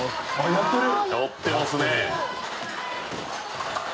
やってますね。